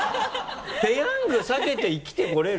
「ペヤング」避けて生きてこれる？